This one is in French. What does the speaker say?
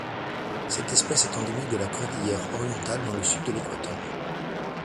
Cette espèce est endémique de la Cordillère Orientale dans le sud de l'Équateur.